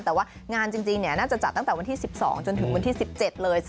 แต่ว่างานจริงน่าจะจัดตั้งแต่วันที่๑๒จนถึงวันที่๑๗เลย